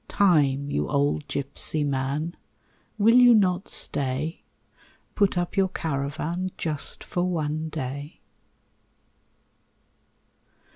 Time, you old gipsy man, Will you not stay, Put up your caravan Just for one day?